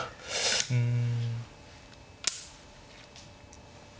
うん。